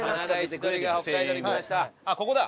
あっここだ。